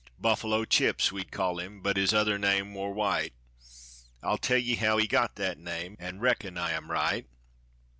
Buffalo Chips we call'd him, but his other name war White; I'll tell ye how he got that name, an' reckon I am right.